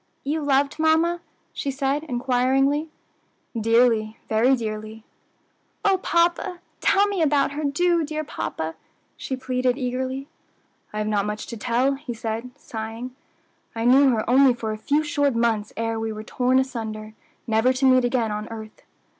"You loved mamma?" she said inquiringly. "Dearly, very dearly." "O papa! tell me about her! do, dear papa," she pleaded eagerly. "I have not much to tell," he said, sighing. "I knew her only for a few short months ere we were torn asunder, never to meet again on earth."